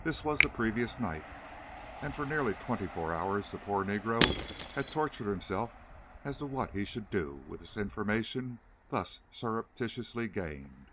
This was the previous night, and for nearly twenty four hours the poor negro had tortured himself as to what he should do with the information thus surreptitiously gained.